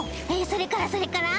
それからそれから？